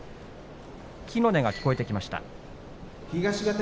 柝きの音が聞こえてきました。